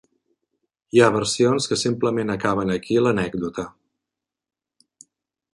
Hi ha versions que simplement acaben aquí l'anècdota.